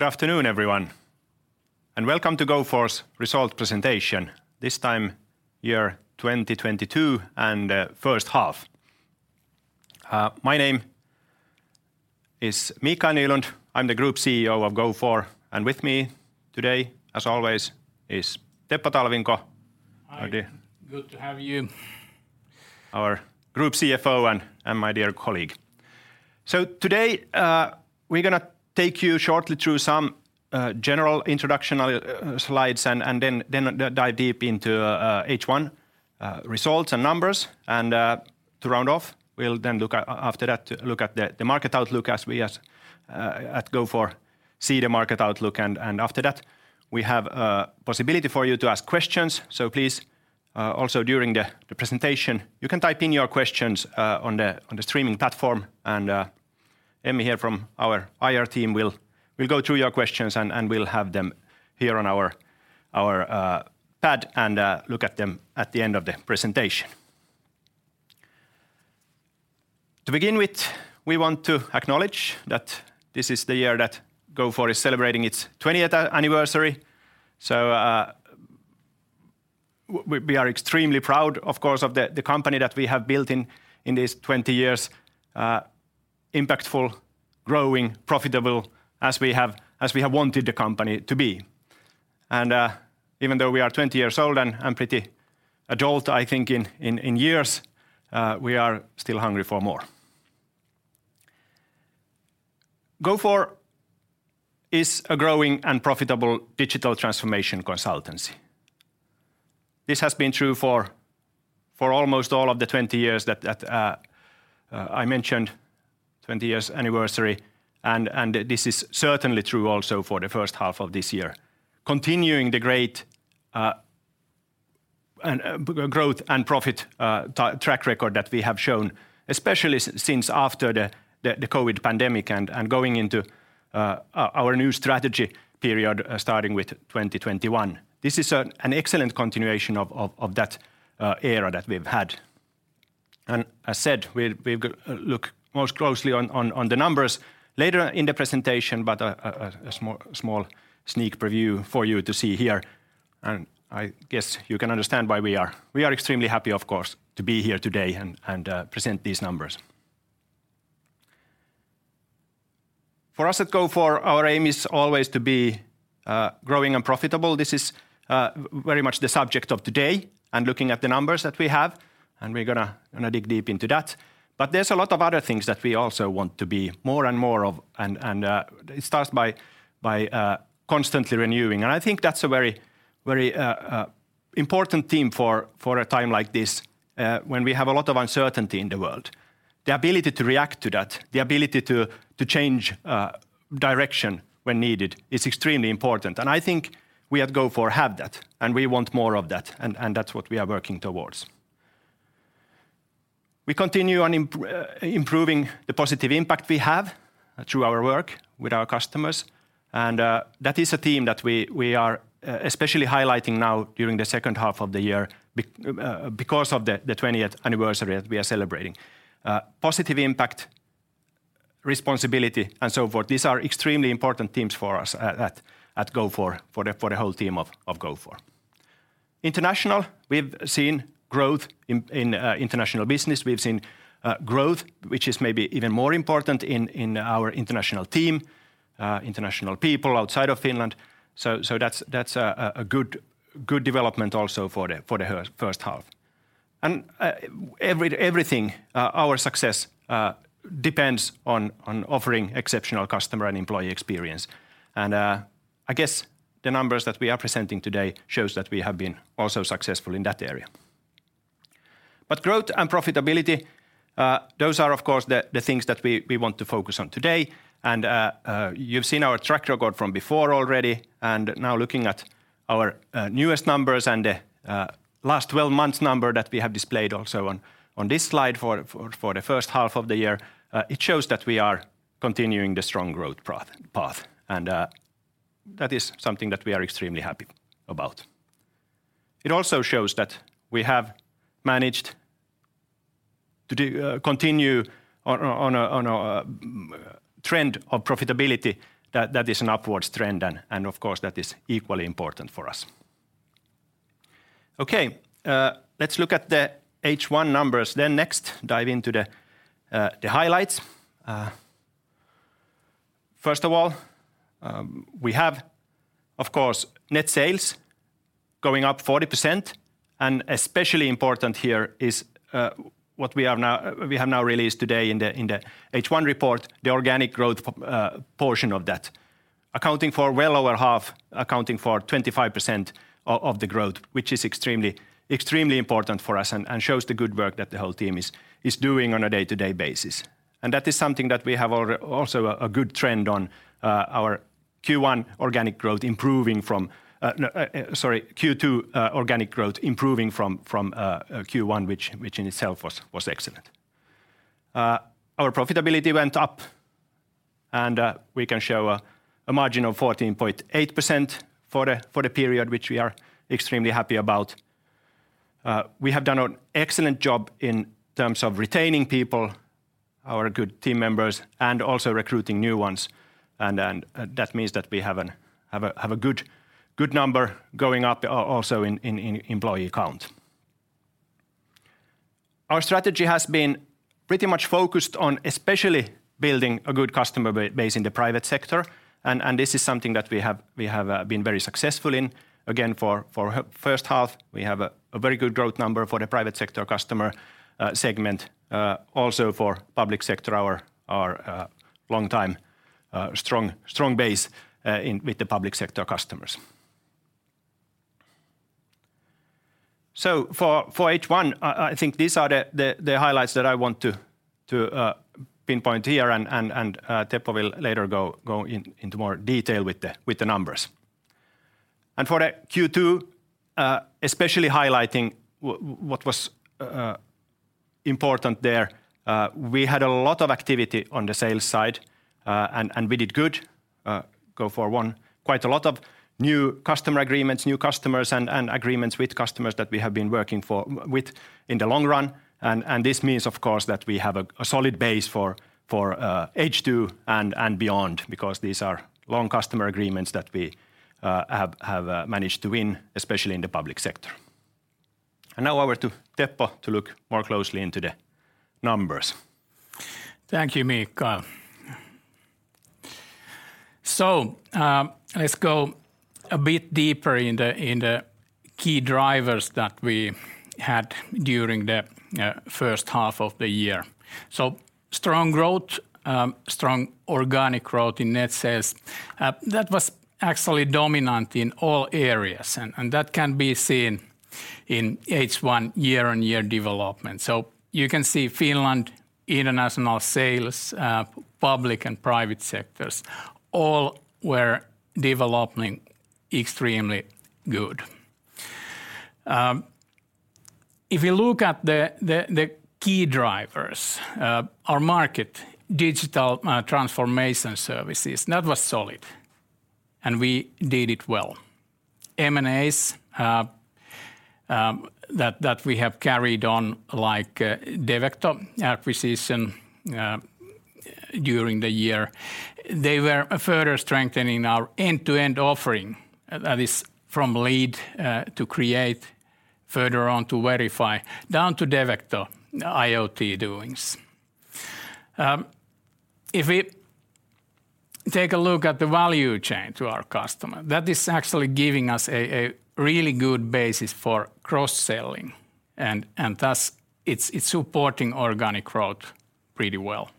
Good afternoon everyone, and welcome to Gofore's results presentation, this time 2022 and first half. My name is Mikael Nylund. I'm the Group CEO of Gofore, and with me today, as always, is Teppo Talvinko. Hi. Good to have you. Our Group CFO and my dear colleague. Today, we're gonna take you shortly through some general introduction slides and then dive deep into H1 results and numbers. To round off, we'll then look after that at the market outlook as we at Gofore see the market outlook. After that, we have a possibility for you to ask questions. Please also during the presentation, you can type in your questions on the streaming platform. Emmy here from our IR team will go through your questions and will have them here on our pad and look at them at the end of the presentation. To begin with, we want to acknowledge that this is the year that Gofore is celebrating its 20th anniversary, so we are extremely proud, of course, of the company that we have built in these 20 years, impactful, growing, profitable, as we have wanted the company to be. Even though we are 20 years old and pretty adult, I think in years, we are still hungry for more. Gofore is a growing and profitable digital transformation consultancy. This has been true for almost all of the 20 years that I mentioned, 20 years anniversary, and this is certainly true also for the first half of this year. Continuing the great growth and profit track record that we have shown, especially since after the COVID pandemic and going into our new strategy period starting with 2021. This is an excellent continuation of that era that we've had. As said, we'll look most closely on the numbers later in the presentation, but a small sneak preview for you to see here. I guess you can understand why we are. We are extremely happy, of course, to be here today and present these numbers. For us at Gofore, our aim is always to be growing and profitable. This is very much the subject of today and looking at the numbers that we have, and we're gonna dig deep into that. There's a lot of other things that we also want to be more and more of, and it starts by constantly renewing. I think that's a very important theme for a time like this, when we have a lot of uncertainty in the world. The ability to react to that, the ability to change direction when needed is extremely important. I think we at Gofore have that, and we want more of that, and that's what we are working towards. We continue on improving the positive impact we have through our work with our customers, and that is a theme that we are especially highlighting now during the second half of the year because of the twentieth anniversary that we are celebrating. Positive impact, responsibility, and so forth, these are extremely important themes for us at Gofore, for the whole team of Gofore. International, we've seen growth in international business. We've seen growth, which is maybe even more important in our international team, international people outside of Finland. That's a good development also for the first half. Everything, our success depends on offering exceptional customer and employee experience. I guess the numbers that we are presenting today shows that we have been also successful in that area. Growth and profitability, those are, of course, the things that we want to focus on today. You've seen our track record from before already. Now looking at our newest numbers and last 12 months number that we have displayed also on this slide for the first half of the year, it shows that we are continuing the strong growth path. That is something that we are extremely happy about. It also shows that we have managed to continue on a trend of profitability that is an upward trend, and of course, that is equally important for us. Okay. Let's look at the H1 numbers then next, dive into the highlights. First of all, we have, of course, net sales going up 40%, and especially important here is what we have now released today in the H1 report, the organic growth portion of that, accounting for well over half, 25% of the growth, which is extremely important for us and shows the good work that the whole team is doing on a day-to-day basis. That is something that we have also a good trend on, our Q2 organic growth improving from Q1, which in itself was excellent. Our profitability went up, and we can show a margin of 14.8% for the period which we are extremely happy about. We have done an excellent job in terms of retaining people, our good team members, and also recruiting new ones. That means that we have a good number going up also in employee count. Our strategy has been pretty much focused on especially building a good customer base in the private sector, and this is something that we have been very successful in. Again, for the first half, we have a very good growth number for the private sector customer segment. Also for public sector, our long time strong base with the public sector customers. For H1, I think these are the highlights that I want to pinpoint here, and Teppo will later go into more detail with the numbers. For the Q2, especially highlighting what was important there, we had a lot of activity on the sales side, and we did good. Gofore won quite a lot of new customer agreements, new customers, and agreements with customers that we have been working with in the long run. This means, of course, that we have a solid base for H2 and beyond because these are long customer agreements that we have managed to win, especially in the public sector. Now, over to Teppo to look more closely into the numbers. Thank you, Mikael. Let's go a bit deeper in the key drivers that we had during the first half of the year. Strong growth, strong organic growth in net sales, that was actually dominant in all areas, and that can be seen in H1 year-on-year development. You can see Finland international sales, public and private sectors all were developing extremely good. If you look at the key drivers, our market digital transformation services, that was solid, and we did it well. M&As, that we have carried on like Devecto acquisition during the year, they were further strengthening our end-to-end offering, that is from lead to create further on to Qentinel down to Devecto IoT doings. If we take a look at the value chain to our customer, that is actually giving us a really good basis for cross-selling, and thus it's supporting organic growth pretty well.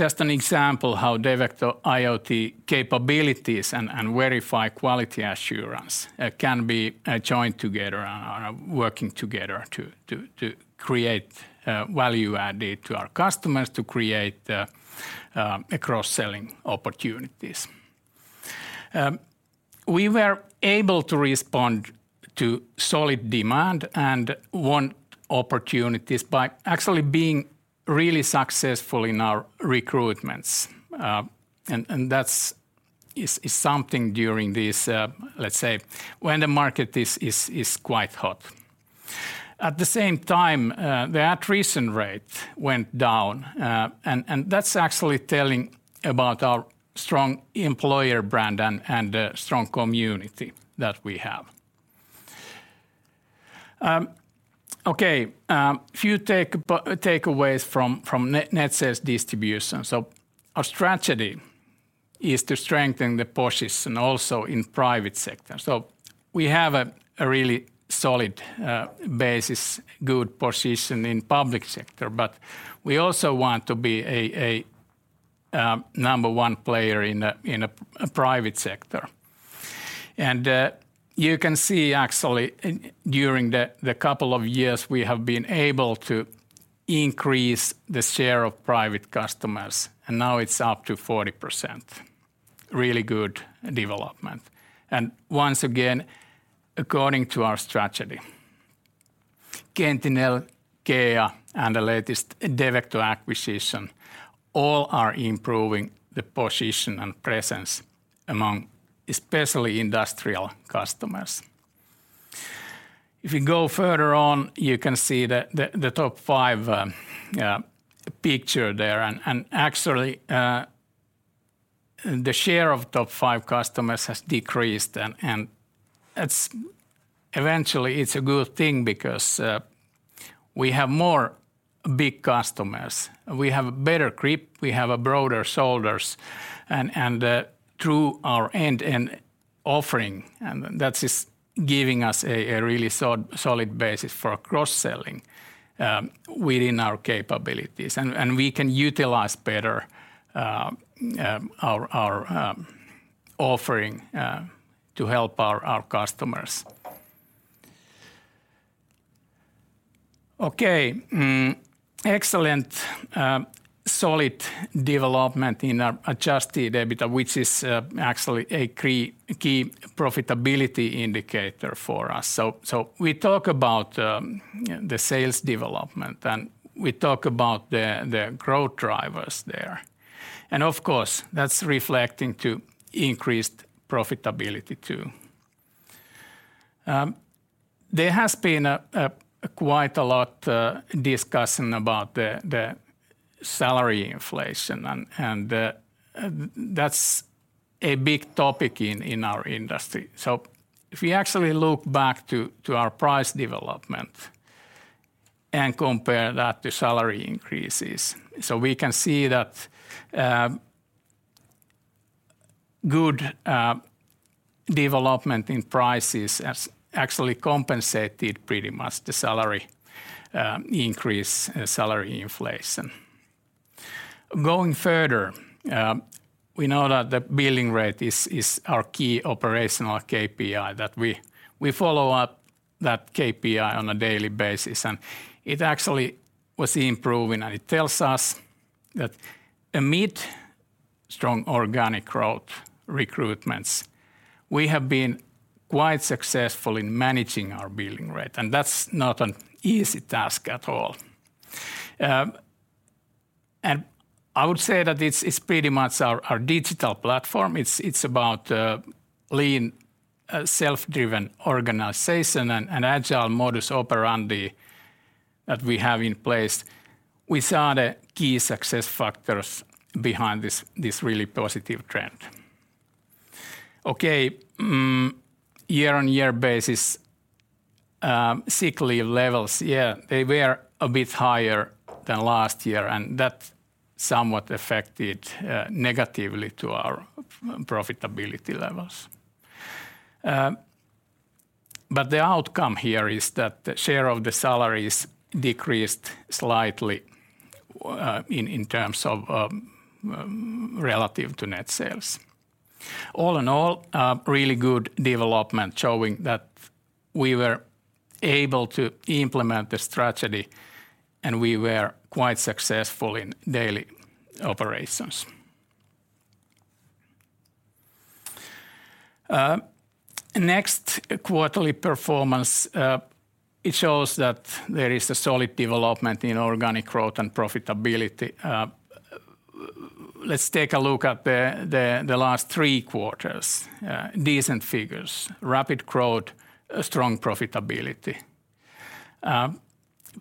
Just an example how Devecto IoT capabilities and Qentinel quality assurance can be joined together and working together to create value added to our customers to create a cross-selling opportunities. We were able to respond to solid demand and won opportunities by actually being really successful in our recruitments. That's something during this, let's say, when the market is quite hot. At the same time, the attrition rate went down, and that's actually telling about our strong employer brand and the strong community that we have. Few takeaways from net sales distribution. Our strategy is to strengthen the position also in private sector. We have a really solid basis, good position in public sector, but we also want to be a number one player in private sector. You can see actually during the couple of years we have been able to increase the share of private customers, and now it's up to 40%. Really good development. Once again, according to our strategy, Qentinel, CCEA, and the latest Devecto acquisition all are improving the position and presence among especially industrial customers. If you go further on, you can see the top five picture there. Actually, the share of top five customers has decreased. It's eventually a good thing because we have more big customers, we have better grip, we have broader shoulders and through our end-to-end offering, that is giving us a really solid basis for cross-selling within our capabilities. We can utilize better our offering to help our customers. Okay. Excellent, solid development in our adjusted EBITDA, which is actually a key profitability indicator for us. We talk about the sales development, and we talk about the growth drivers there. Of course, that's reflecting to increased profitability too. There has been quite a lot discussion about the salary inflation and that's a big topic in our industry. If we actually look back to our price development and compare that to salary increases, we can see that good development in prices has actually compensated pretty much the salary increase, salary inflation. Going further, we know that the billing rate is our key operational KPI, that we follow up that KPI on a daily basis and it actually was improving and it tells us that amid strong organic growth, recruitments, we have been quite successful in managing our billing rate and that's not an easy task at all. I would say that it's pretty much our digital platform. It's about lean, self-driven organization and an agile modus operandi that we have in place. We saw the key success factors behind this really positive trend. Okay. On a year-on-year basis, sick leave levels were a bit higher than last year, and that somewhat affected negatively to our profitability levels. The outcome here is that the share of the salaries decreased slightly in terms of relative to net sales. All in all, a really good development showing that we were able to implement the strategy and we were quite successful in daily operations. Next quarterly performance, it shows that there is a solid development in organic growth and profitability. Let's take a look at the last three quarters. Decent figures. Rapid growth, strong profitability.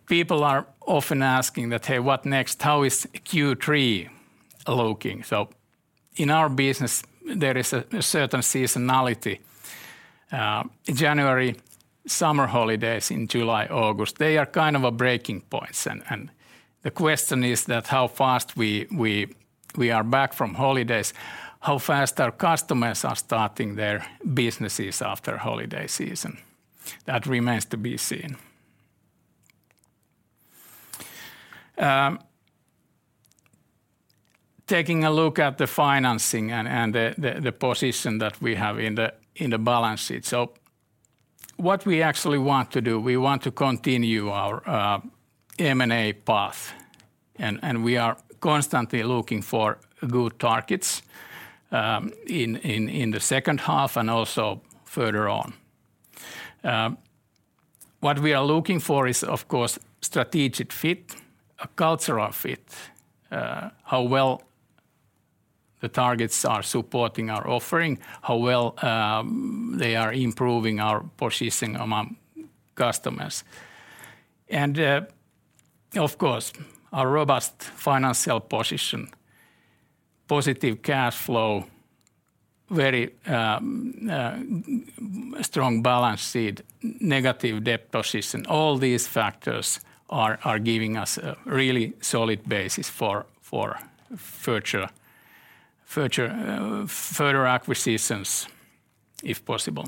People are often asking that, "Hey, what next? How is Q3 looking?" In our business, there is a certain seasonality. January, summer holidays in July, August, they are kind of breaking points, and the question is that how fast we are back from holidays, how fast our customers are starting their businesses after holiday season. That remains to be seen. Taking a look at the financing and the position that we have in the balance sheet. What we actually want to do, we want to continue our M&A path, and we are constantly looking for good targets in the second half and also further on. What we are looking for is, of course, strategic fit, a cultural fit, how well the targets are supporting our offering, how well they are improving our positioning among customers. Of course, a robust financial position, positive cash flow, very strong balance sheet, negative debt position. All these factors are giving us a really solid basis for future further acquisitions, if possible.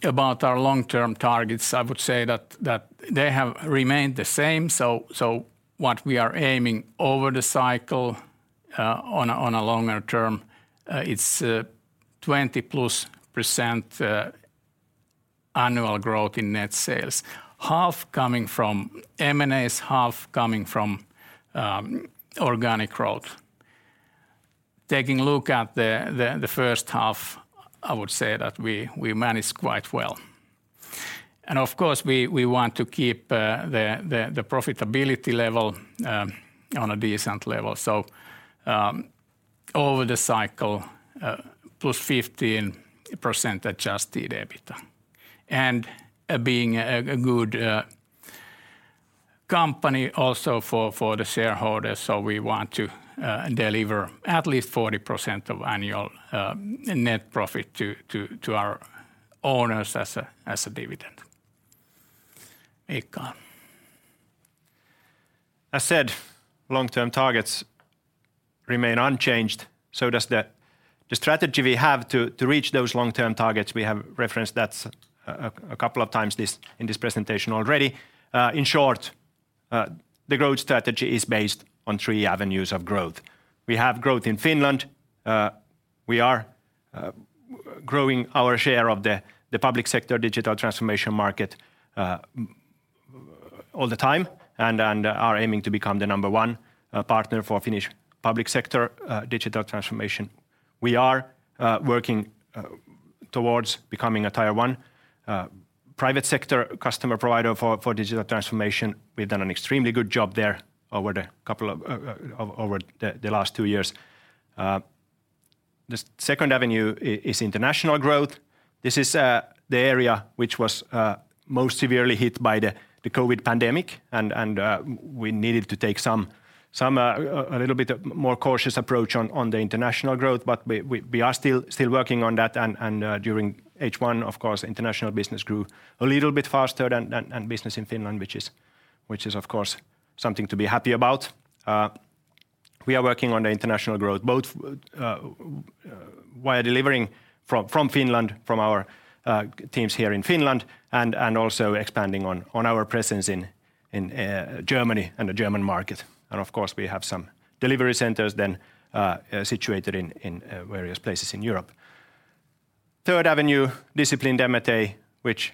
About our long-term targets, I would say that they have remained the same, what we are aiming over the cycle, on a longer term, it's 20%+ annual growth in net sales, half coming from M&As, half coming from organic growth. Taking a look at the first half, I would say that we managed quite well. We want to keep the profitability level on a decent level. Over the cycle, +15% adjusted EBITDA. Being a good company also for the shareholders, we want to deliver at least 40% of annual net profit to our owners as a dividend. Mikael Nylund. As said, long-term targets remain unchanged. The strategy we have to reach those long-term targets. We have referenced that a couple of times in this presentation already. In short, the growth strategy is based on three avenues of growth. We have growth in Finland. We are growing our share of the public sector digital transformation market all the time, and are aiming to become the number one partner for Finnish public sector digital transformation. We are working towards becoming a tier one private sector customer provider for digital transformation. We've done an extremely good job there over the last two years. The second avenue is international growth. This is the area which was most severely hit by the COVID pandemic, and we needed to take a little bit more cautious approach on the international growth. We are still working on that and during H1, of course, international business grew a little bit faster than business in Finland, which is of course something to be happy about. We are working on the international growth both via delivering from Finland, from our teams here in Finland and also expanding on our presence in Germany and the German market. Of course we have some delivery centers then situated in various places in Europe. Third avenue, disciplined M&A, which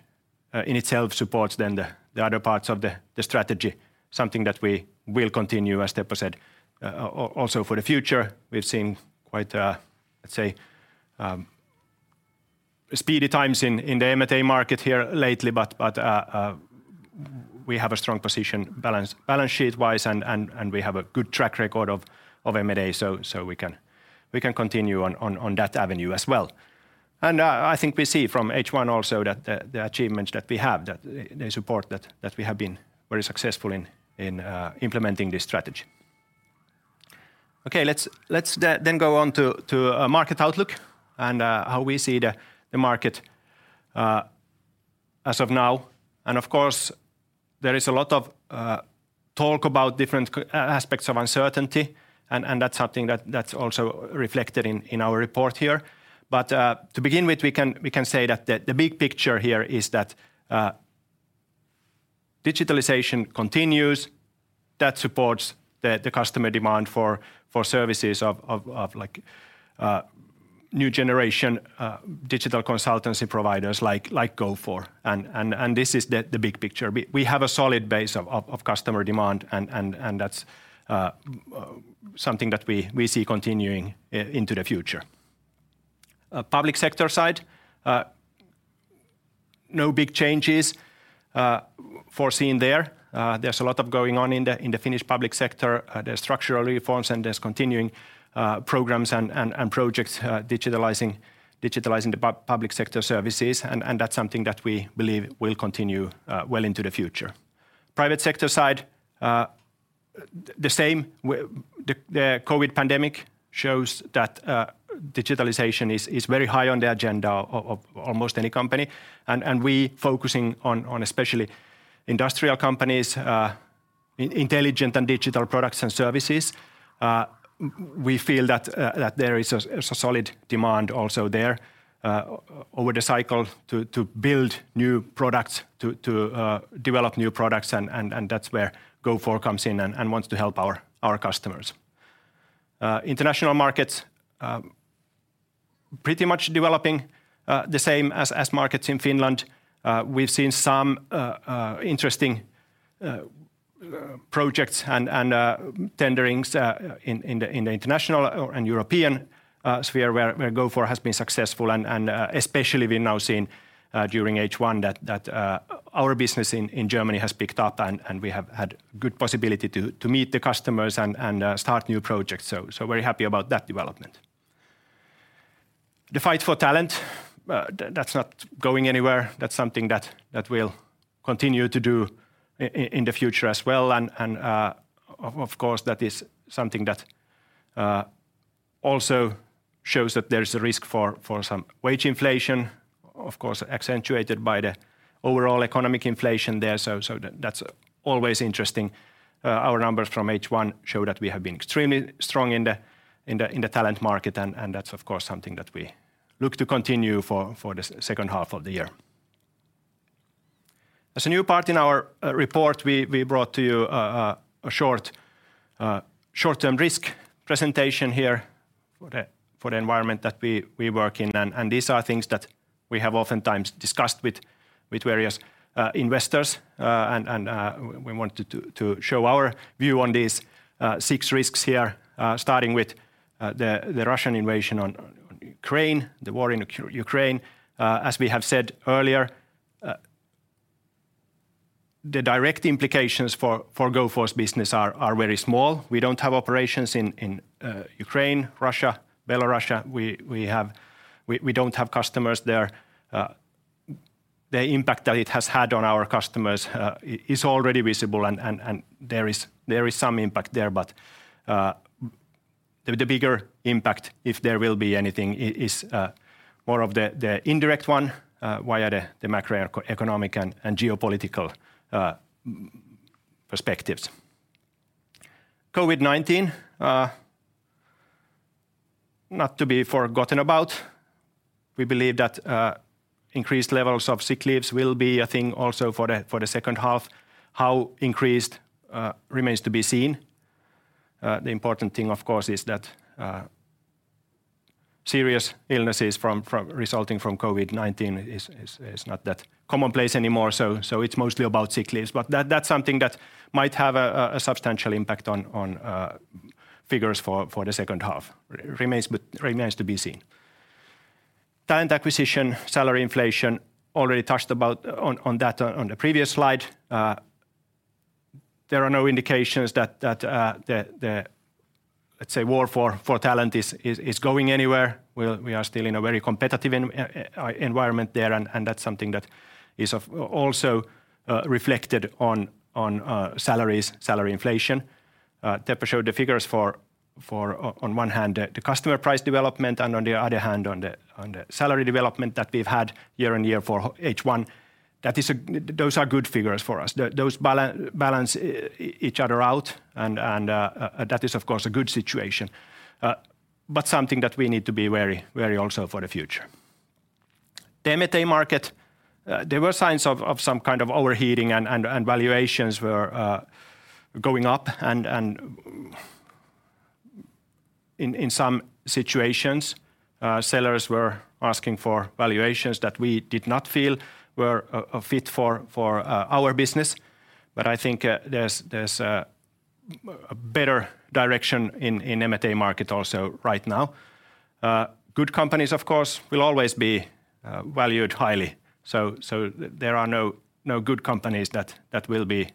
in itself supports then the other parts of the strategy, something that we will continue, as Teppo said, also for the future. We've seen quite, let's say, speedy times in the M&A market here lately, but we have a strong position, balance sheet-wise, and we have a good track record of M&A, so we can continue on that avenue as well. I think we see from H1 also that the achievements that we have, that they support that we have been very successful in implementing this strategy. Okay, let's then go on to market outlook and how we see the market as of now. Of course there is a lot of talk about different aspects of uncertainty and that's something that's also reflected in our report here. To begin with, we can say that the big picture here is that digitalization continues. That supports the customer demand for services of like new generation digital consultancy providers like Gofore. This is the big picture. We have a solid base of customer demand and that's something that we see continuing into the future. Public sector side, no big changes foreseen there. There's a lot going on in the Finnish public sector. There's structural reforms and there's continuing programs and projects digitalizing the public sector services and that's something that we believe will continue well into the future. Private sector side, the same with the COVID pandemic shows that digitalization is very high on the agenda of almost any company and we focusing on especially industrial companies' intelligent and digital products and services. We feel that there is a solid demand also there over the cycle to build new products to develop new products and that's where Gofore comes in and wants to help our customers. International markets pretty much developing the same as markets in Finland. We've seen some interesting projects and tenderings in the international and European sphere where Gofore has been successful and especially we've now seen during H1 that our business in Germany has picked up and we have had good possibility to meet the customers and start new projects, so very happy about that development. The fight for talent, that's not going anywhere. That's something that we'll continue to do in the future as well and of course, that is something that also shows that there's a risk for some wage inflation, of course accentuated by the overall economic inflation there. That's always interesting. Our numbers from H1 show that we have been extremely strong in the talent market and that's of course something that we look to continue for the second half of the year. As a new part in our report, we brought to you a short-term risk presentation here for the environment that we work in and these are things that we have oftentimes discussed with various investors. We wanted to show our view on these six risks here, starting with the Russian invasion on Ukraine, the war in Ukraine. As we have said earlier, the direct implications for Gofore's business are very small. We don't have operations in Ukraine, Russia, Belarus. We don't have customers there. The impact that it has had on our customers is already visible and there is some impact there but the bigger impact, if there will be anything, is more of the indirect one via the macroeconomic and geopolitical perspectives. COVID-19, not to be forgotten about. We believe that increased levels of sick leaves will be a thing also for the second half. How increased remains to be seen. The important thing of course is that serious illnesses resulting from COVID-19 is not that commonplace anymore, so it's mostly about sick leaves. That's something that might have a substantial impact on figures for the second half. Remains to be seen. Talent acquisition, salary inflation already touched upon on the previous slide. There are no indications that the let's say war for talent is going anywhere. We are still in a very competitive environment there, and that's something that is also reflected on salaries, salary inflation. Teppo showed the figures for on one hand the customer price development, and on the other hand on the salary development that we've had year-over-year for H1. Those are good figures for us. Those balance each other out and that is, of course, a good situation, but something that we need to be very also for the future. The M&A market, there were signs of some kind of overheating and valuations were going up and in some situations, sellers were asking for valuations that we did not feel were a fit for our business. I think, there's a better direction in M&A market also right now. Good companies, of course, will always be valued highly. There are no good companies that will be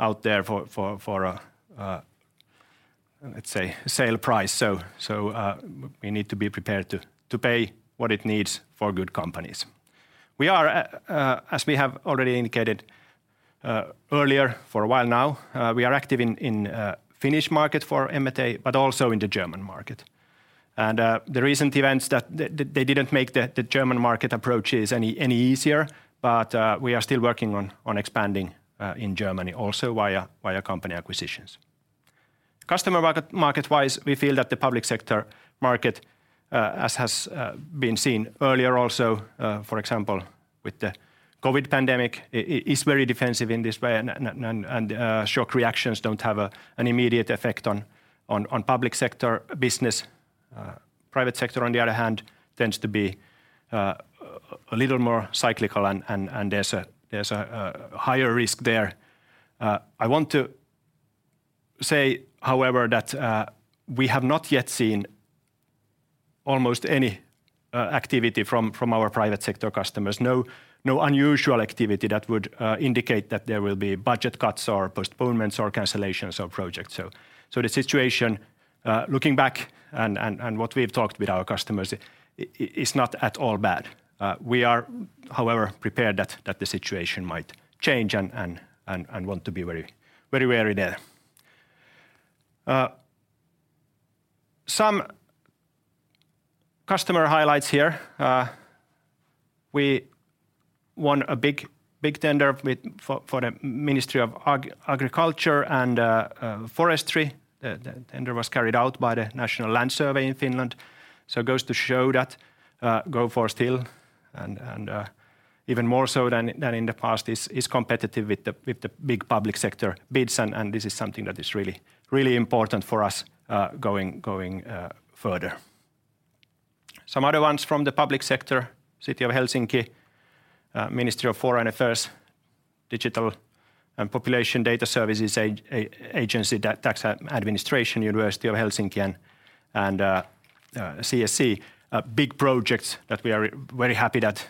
out there for, let's say, sale price. We need to be prepared to pay what it needs for good companies. We are, as we have already indicated, earlier, for a while now, we are active in Finnish market for M&A but also in the German market. The recent events that they didn't make the German market approaches any easier, but we are still working on expanding in Germany also via company acquisitions. Customer market-wise, we feel that the public sector market, as has been seen earlier also, for example, with the COVID pandemic is very defensive in this way and shock reactions don't have an immediate effect on public sector business. Private sector, on the other hand, tends to be a little more cyclical and there's a higher risk there. I want to say, however, that we have not yet seen almost any activity from our private sector customers. No, no unusual activity that would indicate that there will be budget cuts or postponements or cancellations of projects. The situation, looking back and what we've talked with our customers is not at all bad. We are, however, prepared that the situation might change and want to be very, very wary there. Some customer highlights here. We won a big, big tender for the Ministry of Agriculture and Forestry. The tender was carried out by the National Land Survey of Finland. It goes to show that Gofore still, and even more so than in the past, is competitive with the big public sector bids and this is something that is really, really important for us, going further. Some other ones from the public sector: City of Helsinki, Ministry of Foreign Affairs, Digital and Population Data Services Agency, Tax Administration, University of Helsinki, and CSC. Big projects that we are very happy that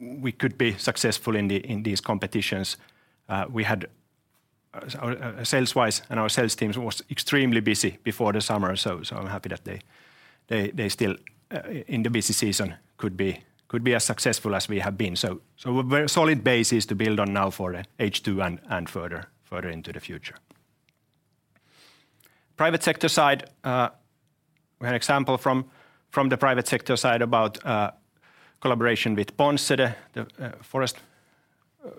we could be successful in these competitions. Sales-wise and our sales teams was extremely busy before the summer. I'm happy that they still in the busy season could be as successful as we have been. Very solid bases to build on now for H2 and further into the future. Private sector side, we had example from the private sector side about collaboration with Ponsse, the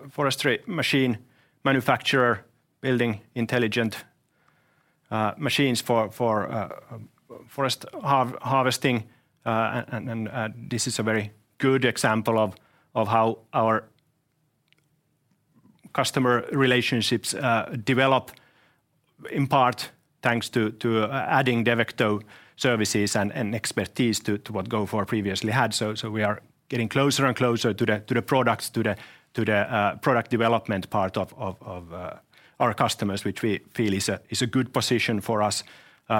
forestry machine manufacturer building intelligent machines for forest harvesting. This is a very good example of how our customer relationships develop in part thanks to adding Devecto services and expertise to what Gofore previously had. We are getting closer and closer to the products, to the product development part of our customers, which we feel is a good position for us,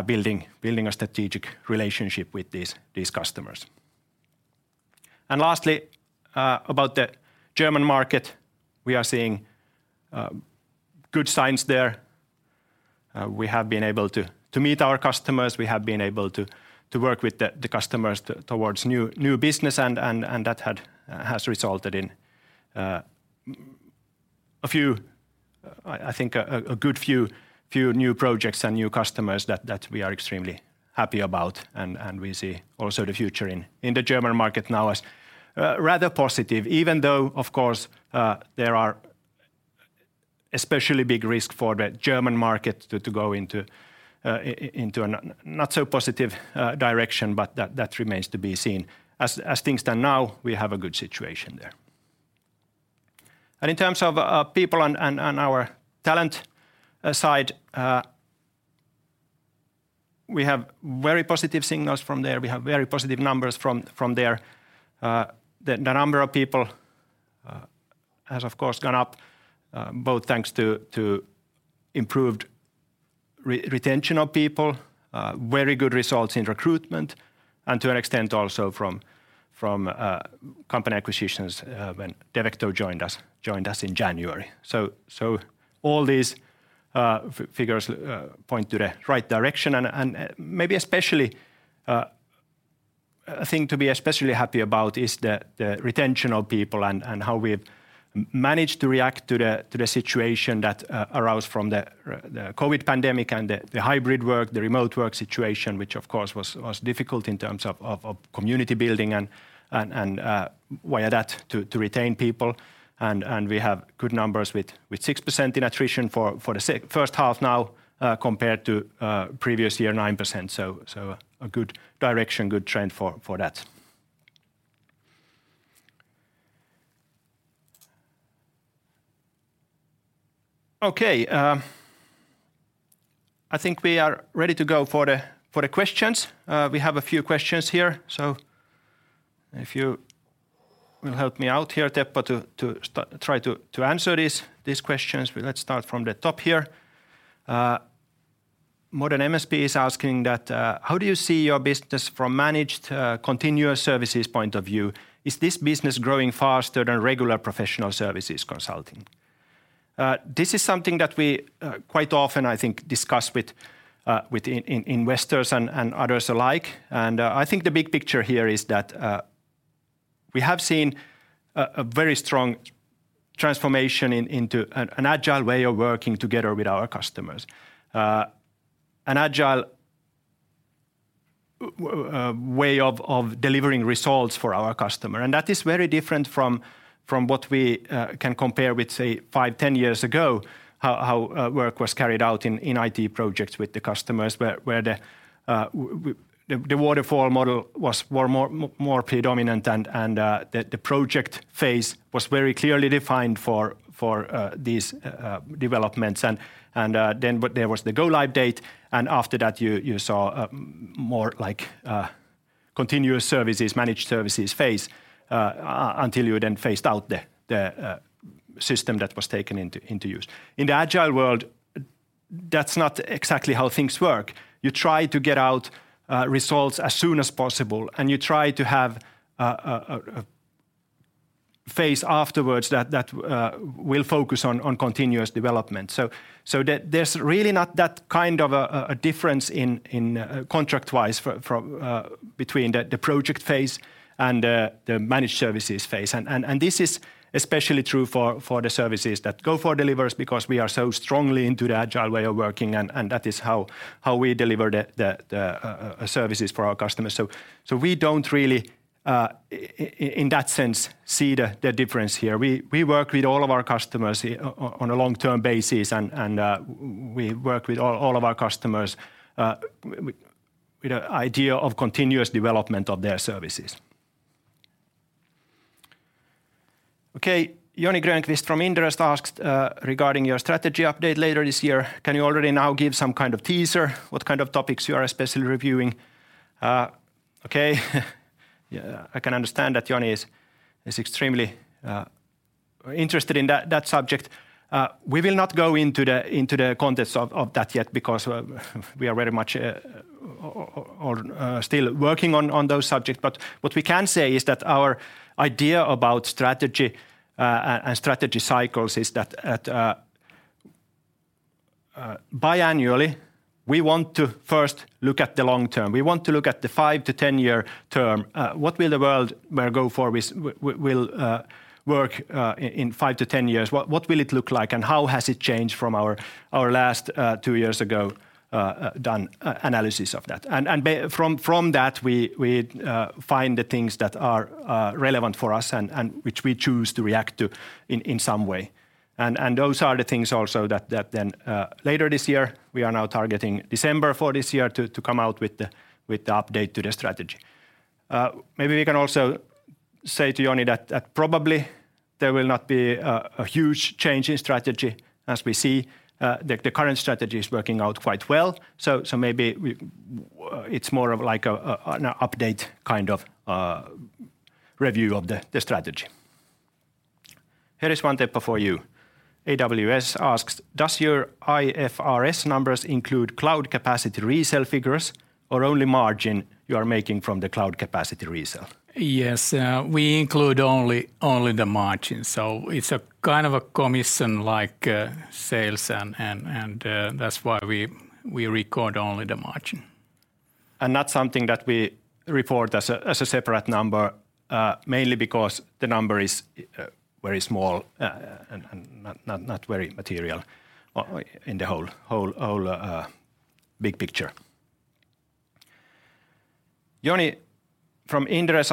building a strategic relationship with these customers. Lastly, about the German market, we are seeing good signs there. We have been able to meet our customers. We have been able to work with the customers towards new business and that had. has resulted in a few. I think a good few new projects and new customers that we are extremely happy about and we see also the future in the German market now as rather positive even though of course there are especially big risk for the German market to go into a not so positive direction but that remains to be seen. As things stand now, we have a good situation there. In terms of people and our talent side, we have very positive signals from there. We have very positive numbers from there. The number of people has of course gone up, both thanks to improved retention of people, very good results in recruitment and to an extent also from company acquisitions, when Devecto joined us in January. All these figures point to the right direction and maybe especially a thing to be especially happy about is the retention of people and how we've managed to react to the situation that arose from the COVID pandemic and the hybrid work, the remote work situation, which of course was difficult in terms of community building and via that to retain people. We have good numbers with 6% in attrition for the first half now, compared to previous year, 9%. A good direction, good trend for that. Okay. I think we are ready to go for the questions. We have a few questions here. If you will help me out here, Teppo, try to answer these questions. Let's start from the top here. Modern MSP is asking that how do you see your business from managed continuous services point of view? Is this business growing faster than regular professional services consulting? This is something that we quite often I think discuss with investors and others alike. I think the big picture here is that we have seen a very strong transformation into an agile way of working together with our customers. An agile way of delivering results for our customer and that is very different from what we can compare with say five, 10 years ago, how work was carried out in IT projects with the customers where the waterfall model was more predominant and the project phase was very clearly defined for these developments. Then there was the go live date and after that you saw more like continuous services, managed services phase until you then phased out the system that was taken into use. In the agile world, that's not exactly how things work. You try to get out results as soon as possible, and you try to have a phase afterwards that will focus on continuous development. There's really not that kind of a difference in contract wise for between the project phase and the managed services phase. This is especially true for the services that Gofore delivers because we are so strongly into the agile way of working and that is how we deliver the services for our customers. We don't really in that sense see the difference here. We work with all of our customers here on a long-term basis and we work with all of our customers with idea of continuous development of their services. Okay. Joni Grönqvist from Inderes asks regarding your strategy update later this year, can you already now give some teaser what topics you are especially reviewing? Okay. Yeah. I can understand that Joni is extremely interested in that subject. We will not go into the context of that yet because we are very much still working on those subjects. What we can say is that our idea about strategy and strategy cycles is that at biannually, we want to first look at the long term. We want to look at the 5-10-year term. What will the world where Gofore will work in 5-10 years look like and how has it changed from our last analysis done two years ago? From that we find the things that are relevant for us and which we choose to react to in some way. Those are the things also that then later this year we are now targeting December this year to come out with the update to the strategy. Maybe we can also say to Joni that probably there will not be a huge change in strategy as we see the current strategy is working out quite well. Maybe it's more of like an update kind of review of the strategy. Here is one, Teppo, for you. AWS asks, "Does your IFRS numbers include cloud capacity resale figures or only margin you are making from the cloud capacity resale? Yes. We include only the margin. It's a commission like sales and that's why we record only the margin. Not something that we report as a separate number, mainly because the number is very small, and not very material in the whole big picture. Joni Grönqvist from Inderes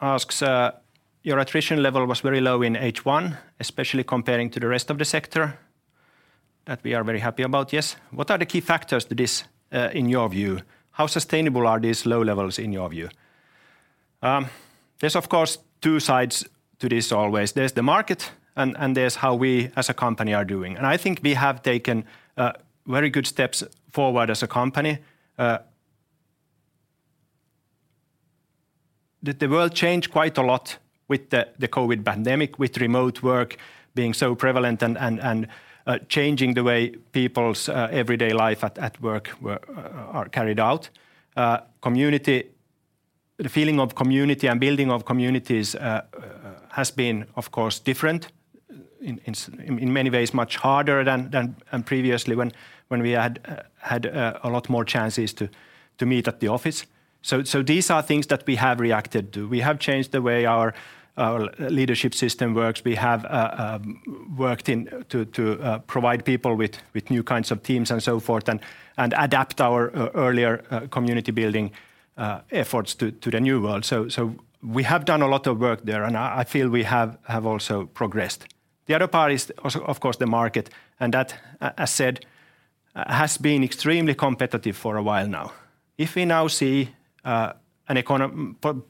asked, "Your attrition level was very low in H1, especially comparing to the rest of the sector." That we are very happy about, yes. "What are the key factors to this, in your view? How sustainable are these low levels in your view?" There's of course two sides to this always. There's the market and there's how we as a company are doing. I think we have taken very good steps forward as a company. The world changed quite a lot with the COVID pandemic, with remote work being so prevalent and changing the way people's everyday life at work are carried out. The feeling of community and building of communities has been, of course, different. In many ways, much harder than previously when we had a lot more chances to meet at the office. These are things that we have reacted to. We have changed the way our leadership system works. We have worked into provide people with new kinds of teams and so forth, and adapt our earlier community-building efforts to the new world. We have done a lot of work there, and I feel we have also progressed. The other part is also, of course, the market, and that, as said, has been extremely competitive for a while now. If we now see a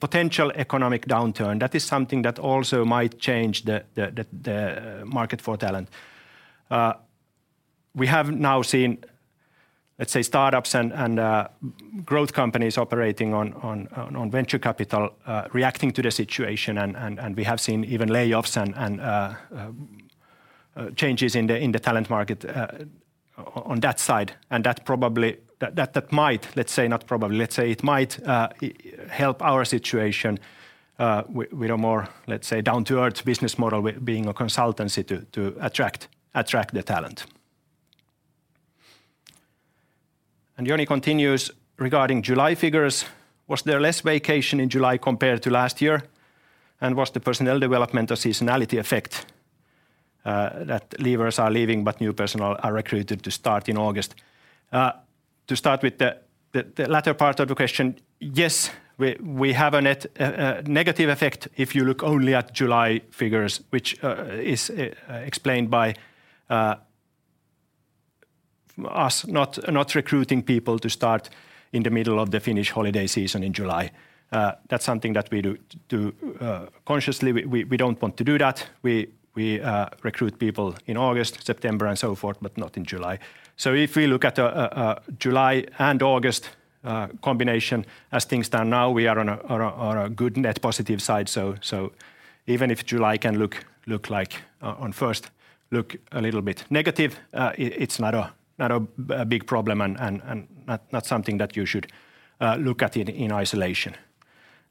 potential economic downturn, that is something that also might change the market for talent. We have now seen, let's say, startups and growth companies operating on venture capital reacting to the situation, and we have seen even layoffs and changes in the talent market on that side. That might, let's say not probably, let's say it might help our situation with a more, let's say, down-to-earth business model being a consultancy to attract the talent. Joni continues regarding July figures. Was there less vacation in July compared to last year? Was the personnel development a seasonality effect, that leavers are leaving, but new personnel are recruited to start in August? To start with the latter part of the question, yes, we have a negative effect if you look only at July figures, which is explained by us not recruiting people to start in the middle of the Finnish holiday season in July. That's something that we do consciously. We don't want to do that. We recruit people in August, September, and so forth, but not in July. If we look at July and August combination, as things stand now, we are on a good net positive side. Even if July can look on first look a little bit negative, it's not a big problem and not something that you should look at in isolation.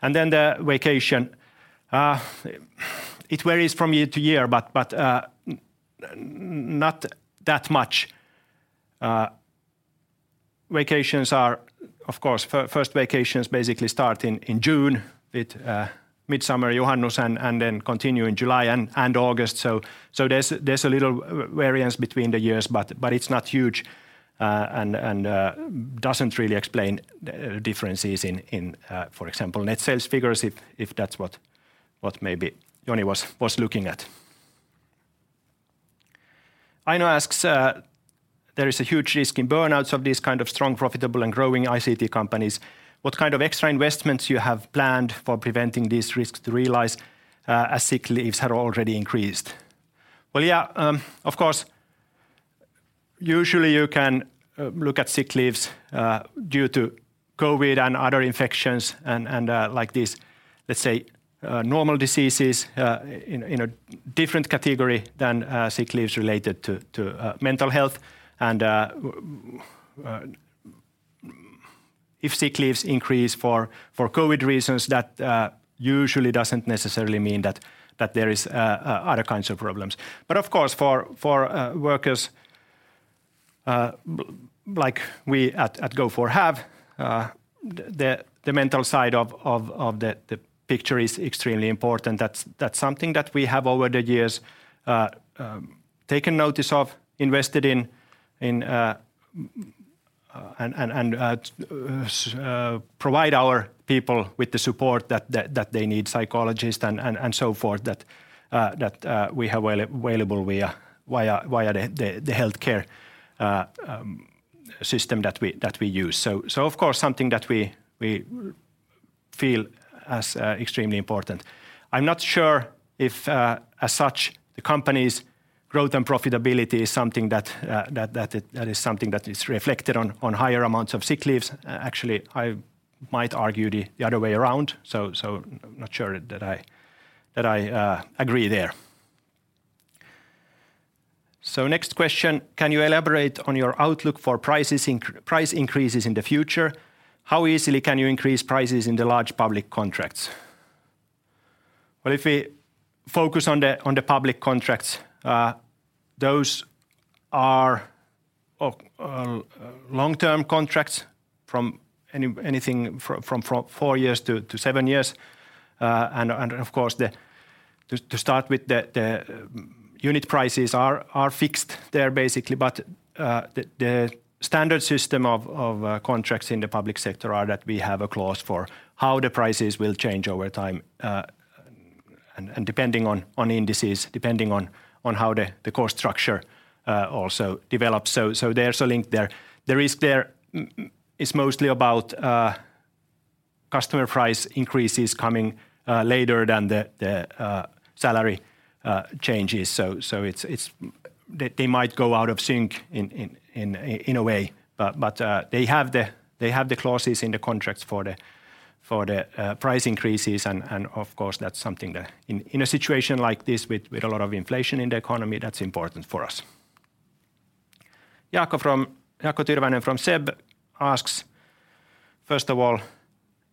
The vacation it varies from year to year, but not that much. Vacations are, of course, first vacations basically start in June with Midsummer, Juhannus, and then continue in July and August. There's a little variance between the years, but it's not huge and doesn't really explain the differences in, for example, net sales figures if that's what maybe Joni was looking at. Aino asks, there is a huge risk in burnouts of these kind of strong, profitable, and growing ICT companies. What kind of extra investments you have planned for preventing these risks to realize, as sick leaves had already increased? Well, yeah, of course, usually you can look at sick leaves due to COVID and other infections and like these, let's say, normal diseases in a different category than sick leaves related to mental health. If sick leaves increase for COVID reasons, that usually doesn't necessarily mean that there is other kinds of problems. Of course, for workers like we at Gofore have, the mental side of the picture is extremely important. That's something that we have over the years taken notice of, invested in, and provide our people with the support that they need, psychologists and so forth, that we have available via the healthcare system that we use. Of course, something that we feel as extremely important. I'm not sure if, as such, the company's growth and profitability is something that is reflected on higher amounts of sick leaves. Actually, I might argue the other way around, so I'm not sure that I agree there. Next question, can you elaborate on your outlook for price increases in the future? How easily can you increase prices in the large public contracts? Well, if we focus on the public contracts, those are long-term contracts from anything from four years to seven years. Of course, to start with, the unit prices are fixed there basically. The standard system of contracts in the public sector are that we have a clause for how the prices will change over time, and depending on indices, depending on how the cost structure also develops. There's a link there. The risk there is mostly about customer price increases coming later than the salary changes. It's. They might go out of sync in a way. They have the clauses in the contracts for the price increases and of course that's something that in a situation like this with a lot of inflation in the economy, that's important for us. Jaakko Tyrväinen from SEB asks, "First of all,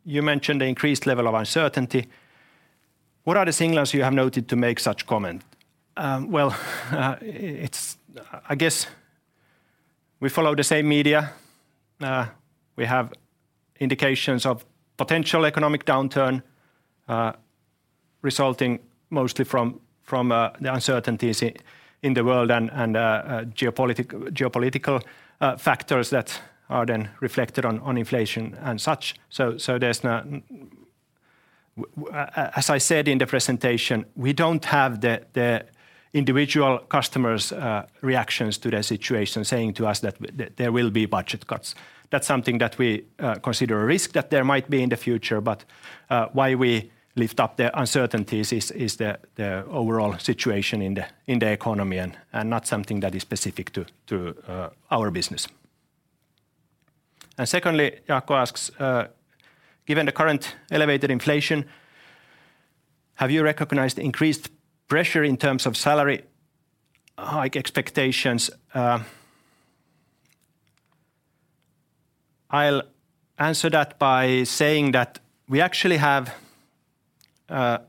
you mentioned the increased level of uncertainty. What are the signals you have noted to make such comment?" It's I guess we follow the same media. We have indications of potential economic downturn resulting mostly from the uncertainties in the world and geopolitical factors that are then reflected on inflation and such. There's no as I said in the presentation, we don't have the individual customers' reactions to the situation saying to us that there will be budget cuts. That's something that we consider a risk that there might be in the future. Why we lift up the uncertainties is the overall situation in the economy and not something that is specific to our business. Secondly, Jaakko asks, "Given the current elevated inflation, have you recognized increased pressure in terms of salary hike expectations?" I'll answer that by saying that we actually have a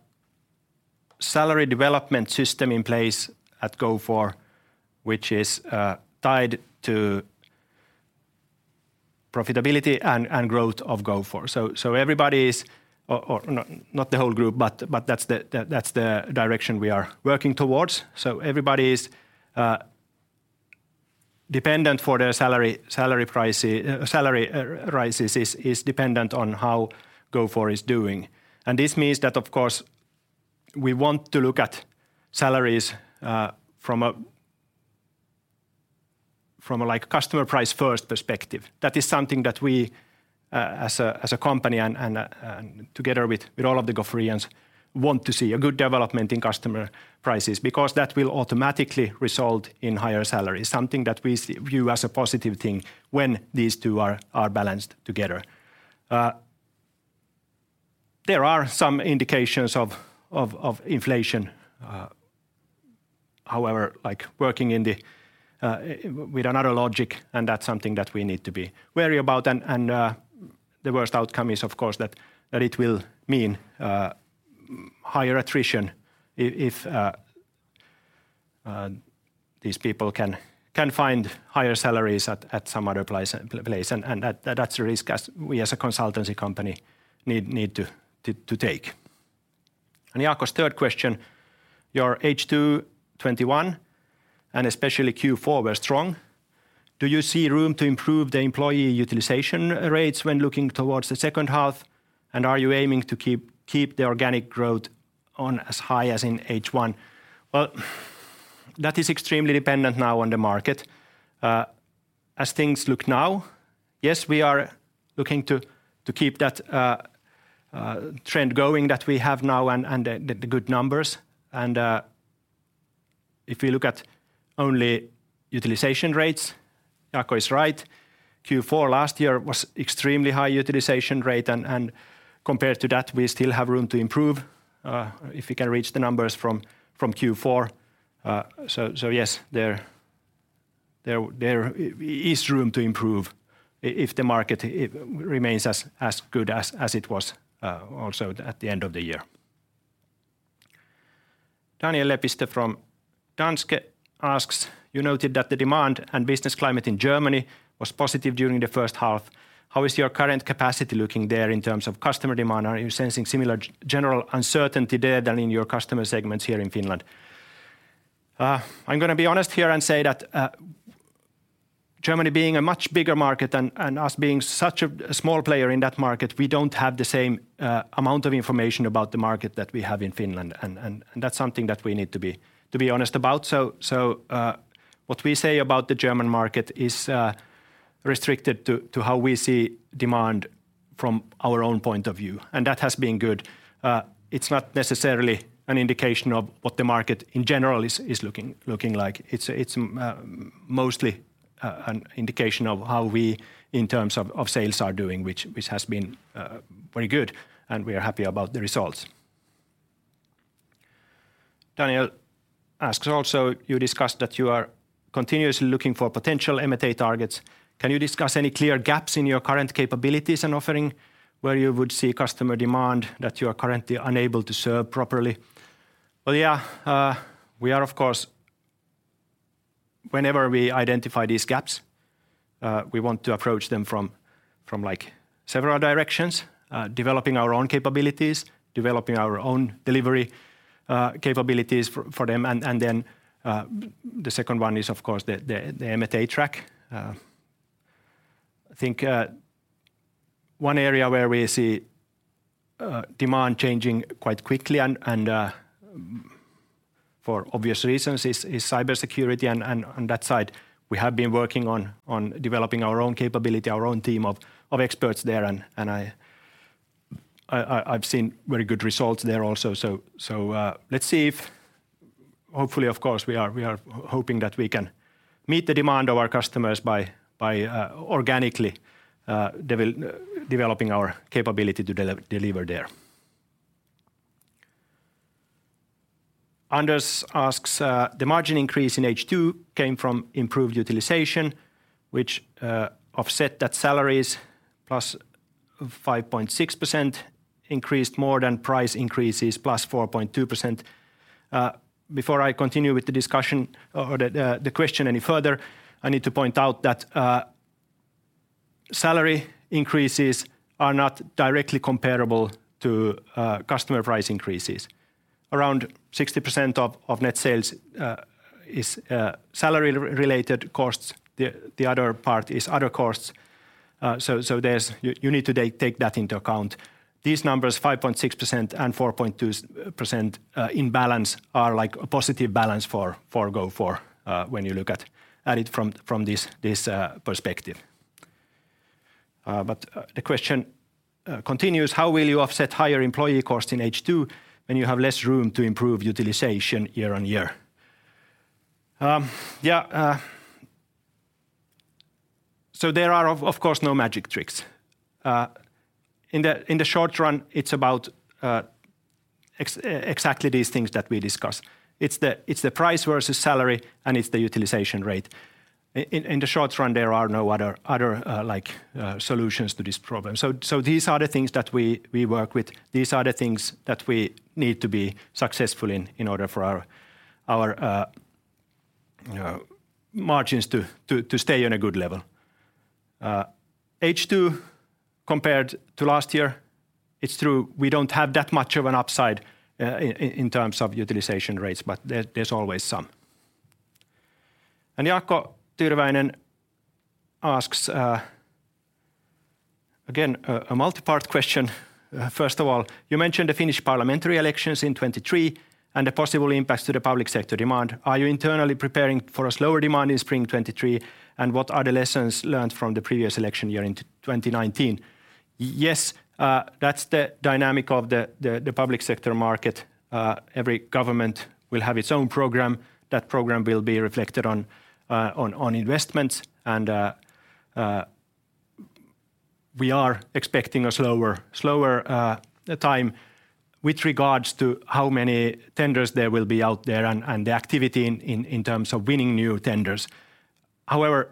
salary development system in place at Gofore, which is tied to profitability and growth of Gofore. everybody's. Or not the whole group, but that's the direction we are working towards. Everybody's salary rises are dependent on how Gofore is doing. This means that, of course, we want to look at salaries from a like customer price first perspective. That is something that we, as a company and together with all of the Goforeans, want to see, a good development in customer prices, because that will automatically result in higher salaries, something that we view as a positive thing when these two are balanced together. There are some indications of inflation, however, with another logic, and that's something that we need to be wary about. The worst outcome is, of course, that it will mean higher attrition if these people can find higher salaries at some other place. That is a risk as we as a consultancy company need to take. Jaakko's third question: "Your H2 2021, and especially Q4, were strong. Do you see room to improve the employee utilization rates when looking towards the second half? And are you aiming to keep the organic growth on as high as in H1?" Well, that is extremely dependent now on the market. As things look now, yes, we are looking to keep that trend going that we have now and the good numbers. If you look at only utilization rates, Jaakko is right. Q4 last year was extremely high utilization rate and compared to that, we still have room to improve, if we can reach the numbers from Q4. Yes, there is room to improve if the market remains as good as it was also at the end of the year. Daniel Lepistö from Danske asks, "You noted that the demand and business climate in Germany was positive during the first half. How is your current capacity looking there in terms of customer demand? Are you sensing similar general uncertainty there to in your customer segments here in Finland? I'm gonna be honest here and say that, Germany being a much bigger market and us being such a small player in that market, we don't have the same amount of information about the market that we have in Finland. That's something that we need to be honest about. What we say about the German market is restricted to how we see demand from our own point of view, and that has been good. It's not necessarily an indication of what the market in general is looking like. It's mostly an indication of how we in terms of sales are doing, which has been very good, and we are happy about the results. Daniel asks also, "You discussed that you are continuously looking for potential M&A targets. Can you discuss any clear gaps in your current capabilities and offering where you would see customer demand that you are currently unable to serve properly?" Well, yeah, we are of course. Whenever we identify these gaps, we want to approach them from like, several directions, developing our own capabilities, developing our own delivery capabilities for them. Then the second one is of course the M&A track. I think one area where we see demand changing quite quickly and for obvious reasons is cybersecurity. On that side, we have been working on developing our own capability, our own team of experts there. I've seen very good results there also. Hopefully, of course, we are hoping that we can meet the demand of our customers by organically developing our capability to deliver there. Anders asks, the margin increase in H2 came from improved utilization, which offset that salaries +5.6% increased more than price increases +4.2%. Before I continue with the discussion or the question any further, I need to point out that salary increases are not directly comparable to customer price increases. Around 60% of net sales is salary related costs. The other part is other costs. You need to take that into account. These numbers, 5.6% and 4.2%, in balance are like a positive balance for Gofore, when you look at it from this perspective. The question continues: How will you offset higher employee costs in H2 when you have less room to improve utilization year-over-year? There are, of course, no magic tricks. In the short run, it's about exactly these things that we discussed. It's the price versus salary, and it's the utilization rate. In the short run, there are no other solutions to this problem. These are the things that we work with. These are the things that we need to be successful in order for our you know margins to stay on a good level. H2 compared to last year, it's true we don't have that much of an upside in terms of utilization rates, but there's always some. Jaakko Tyrväinen asks again a multipart question. First of all, you mentioned the Finnish parliamentary elections in 2023 and the possible impacts to the public sector demand. Are you internally preparing for a slower demand in spring 2023, and what are the lessons learned from the previous election year in 2019? Yes, that's the dynamic of the public sector market. Every government will have its own program. That program will be reflected on investments. We are expecting a slower time with regards to how many tenders there will be out there and the activity in terms of winning new tenders. However,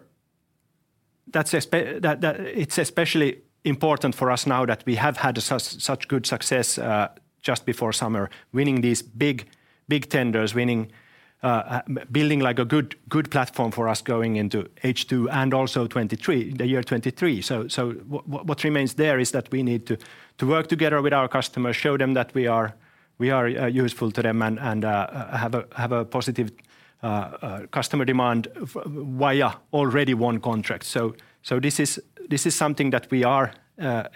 it's especially important for us now that we have had such good success just before summer winning these big tenders, building like a good platform for us going into H2 and also the year 2023. What remains there is that we need to work together with our customers, show them that we are useful to them and have a positive customer demand via already won contracts. This is something that we are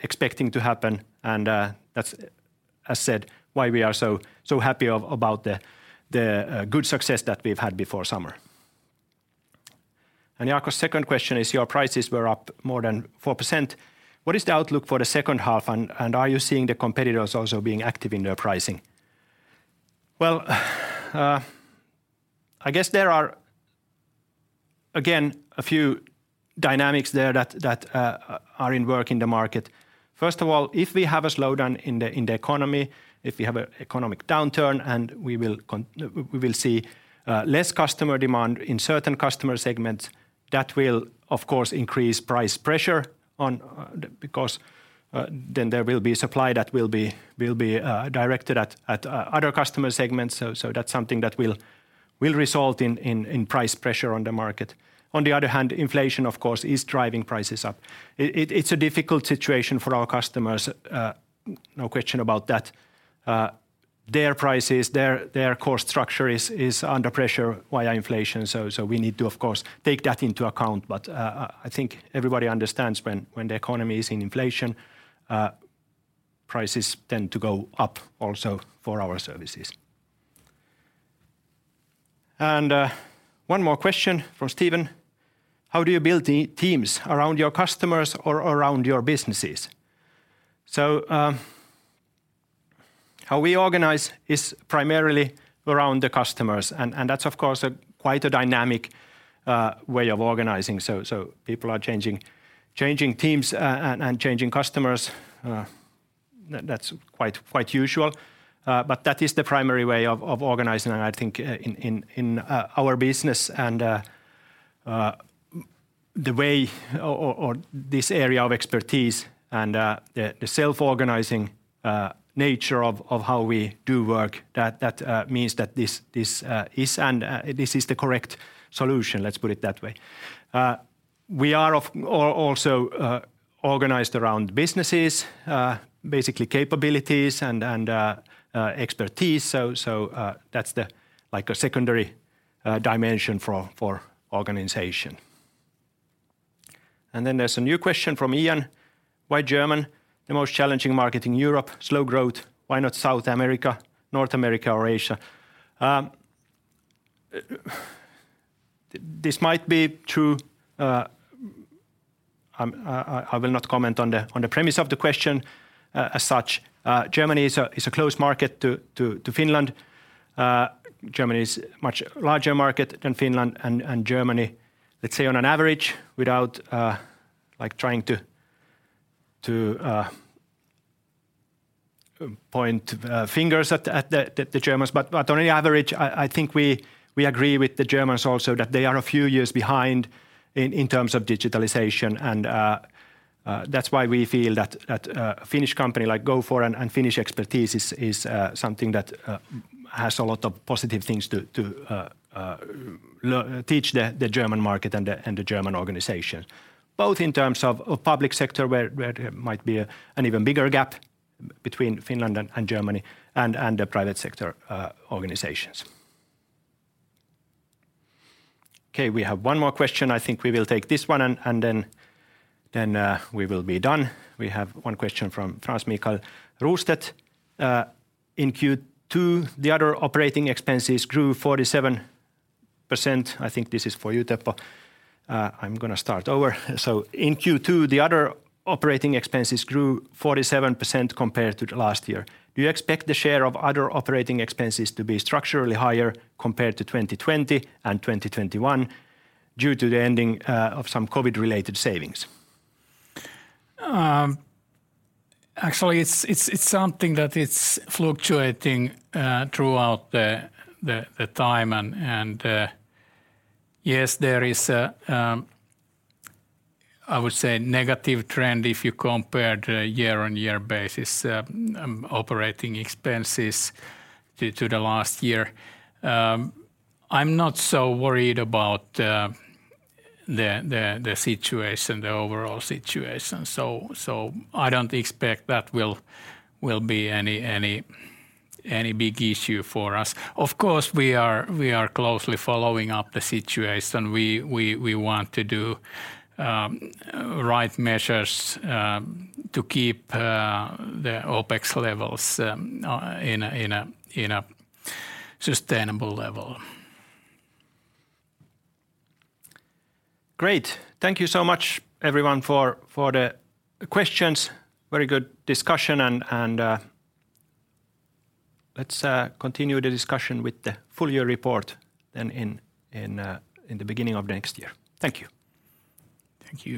expecting to happen, and that's, as said, why we are so happy about the good success that we've had before summer. Jaakko's second question is. Your prices were up more than 4%. What is the outlook for the second half, and are you seeing the competitors also being active in their pricing? Well, I guess there are, again, a few dynamics there that are at work in the market. First of all, if we have a slowdown in the economy, if we have an economic downturn, and we will see less customer demand in certain customer segments, that will, of course, increase price pressure on. because then there will be supply that will be directed at other customer segments. That's something that will result in price pressure on the market. On the other hand, inflation, of course, is driving prices up. It's a difficult situation for our customers, no question about that. Their prices, their cost structure is under pressure via inflation. We need to, of course, take that into account. I think everybody understands when the economy is in inflation, prices tend to go up also for our services. One more question from Steven: How do you build the teams around your customers or around your businesses? How we organize is primarily around the customers, and that's, of course, a quite dynamic way of organizing. People are changing teams and changing customers. That's quite usual. That is the primary way of organizing, and I think in our business and the way or this area of expertise and the self-organizing nature of how we do work that means that this is the correct solution, let's put it that way. We are also organized around businesses, basically capabilities and expertise. That's the, like, a secondary dimension for organization. Then there's a new question from Ian: Why Germany, the most challenging market in Europe, slow growth? Why not South America, North America, or Asia? This might be true. I will not comment on the premise of the question, as such. Germany is a close market to Finland. Germany is much larger market than Finland, and Germany, let's say on average without like trying to point fingers at the Germans. On average, I think we agree with the Germans also that they are a few years behind in terms of digitalization and that's why we feel that a Finnish company like Gofore and Finnish expertise is something that has a lot of positive things to teach the German market and the German organization. Both in terms of public sector where there might be an even bigger gap between Finland and Germany and the private sector organizations. Okay, we have one more question. I think we will take this one and then we will be done. We have one question from Mikael Rautanen. In Q2, the other operating expenses grew 47%. I think this is for you, Teppo. In Q2, the other operating expenses grew 47% compared to the last year. Do you expect the share of other operating expenses to be structurally higher compared to 2020 and 2021 due to the ending of some COVID-related savings? Actually it's something that it's fluctuating throughout the time and yes, there is a I would say negative trend if you compare the year-on-year basis, operating expenses to the last year. I'm not so worried about the situation, the overall situation. I don't expect that will be any big issue for us. Of course, we are closely following up the situation. We want to do right measures to keep the OPEX levels in a sustainable level. Great. Thank you so much everyone for the questions. Very good discussion and let's continue the discussion with the full year report then in the beginning of next year. Thank you. Thank you.